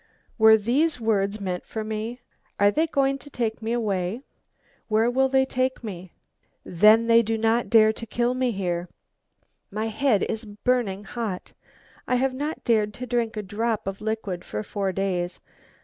Were these words meant for me? Are they going to take me away? Where will they take me? Then they do not dare to kill me here? My head is burning hot. I have not dared to drink a drop of liquid for four days.